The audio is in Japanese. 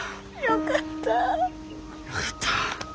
よかった。